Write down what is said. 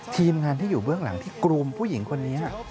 ทีมงานที่อยู่เบื้องหลังที่กลุ่มผู้หญิงคนนี้